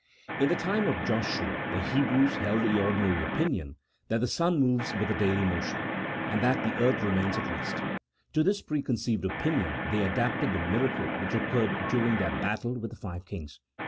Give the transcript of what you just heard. In the time of Joshua the Hebrews held the ordinary opinion that the sun moves with a daily motion, and that the earth remains at rest ; to this preconceived opinion they adapted the miracle which occurred during their battle with the five kings.